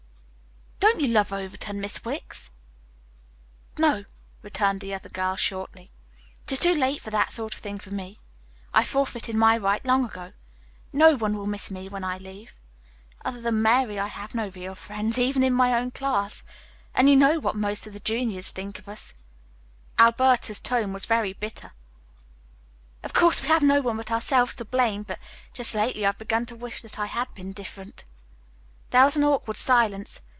"Don't you love Overton, Miss Wicks?" "No," returned the other girl shortly. "It is too late for that sort of thing for me. I forfeited my right long ago. No one will miss me when I leave. Other than Mary, I have no real friends, even in my own class, and you know what most of the juniors think of us." Alberta's tone was very bitter. "Of course, we have no one but ourselves to blame, but just lately I've begun to wish that I had been different." There was an awkward silence.